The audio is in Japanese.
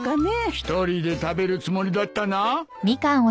一人で食べるつもりだったな。